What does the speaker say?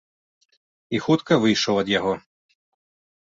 І хутка выйшаў ад яго.